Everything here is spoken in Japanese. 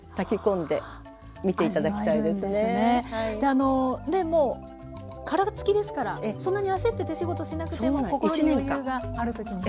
あのもう殻付きですからそんなに焦って手仕事しなくても心に余裕がある時に。